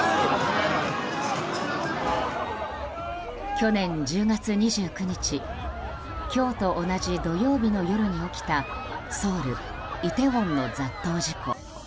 去年１０月２９日今日と同じ土曜日の夜に起きたソウル・イテウォンの雑踏事故。